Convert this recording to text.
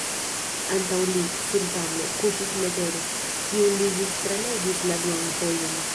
Antaŭ li, sur tablo, kuŝis letero, kiun li ĵus tralegis la duan fojon.